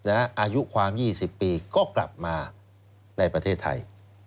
อายุความ๒๐ปีก็กลับมาในประเทศไทย